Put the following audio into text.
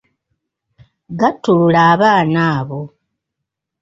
Ggattulula abaana abo.